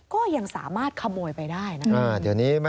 ก็ยังสามารถขโมยไปได้นะครับ